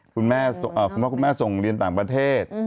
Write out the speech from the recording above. คุณพ่อคุณแม่ส่งเรียนต่างประเทศ